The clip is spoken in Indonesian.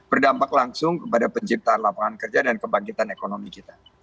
berdampak langsung kepada penciptaan lapangan kerja dan kebangkitan ekonomi kita